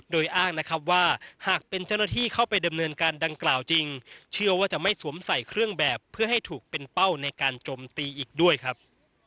โดยอ้างนะครับว่าหากเป็นเจ้าหน้าที่เข้าไปดำเนินการดังกล่าวจริงเชื่อว่าจะไม่สวมใส่เครื่องแบบเพื่อให้ถูกเป็นเป้าในการจมตีอีกด้วยครับ